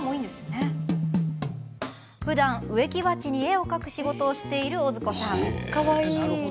ふだん植木鉢に絵を描く仕事をしているオズコさん。